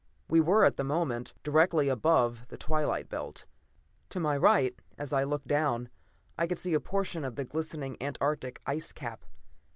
We were, at the moment, directly above the twilight belt. To my right, as I looked down, I could see a portion of the glistening antarctic ice cap.